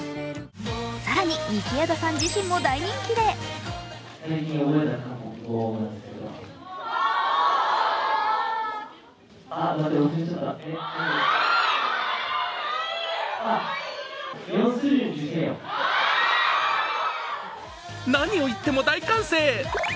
更に道枝さん自身も大人気で何を言っても大歓声。